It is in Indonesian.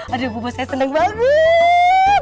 aduh bu bos saya seneng banget